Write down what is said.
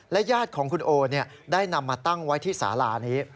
ญาติของคุณโอได้นำมาตั้งไว้ที่สาลานี้